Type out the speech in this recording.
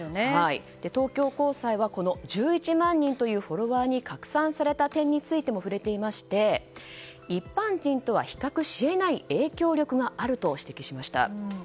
東京高裁は、この１１万人というフォロワーに拡散された点についても触れていまして一般人とは比較しえない影響力があると指摘しました。